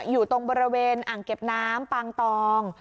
อยู่ตรงบริเวณอ่างเก็บน้ำปางตอง